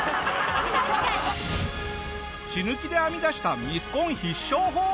死ぬ気で編みだしたミスコン必勝法。